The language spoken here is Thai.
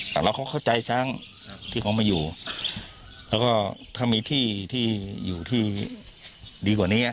แต่เราก็เข้าใจซ้ำที่เขามาอยู่แล้วก็ถ้ามีที่ที่อยู่ที่ดีกว่านี้